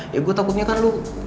ya gue takutnya kan lu